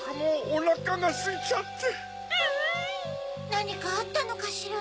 なにかあったのかしら？